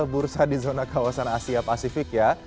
bursa di zona kawasan asia pasifik ya